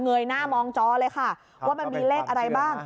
ยหน้ามองจอเลยค่ะว่ามันมีเลขอะไรบ้าง